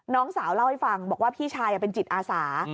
น้องสาวเล่าให้ฟังบอกว่าพี่ชายเป็นจิตอาสา